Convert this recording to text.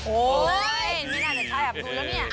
โอ้ยนี่น่าจะใช่อับดุ้นแล้วเนี่ย